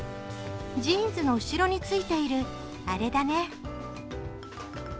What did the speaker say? ジーンズの後ろについているあれだね。